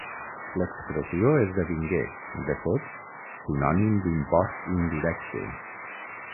L'expressió esdevingué, de fet, sinònim d'impost indirecte.